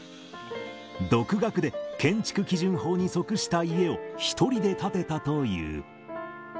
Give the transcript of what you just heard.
独学で建築基準法に則した家を一人で建てたという。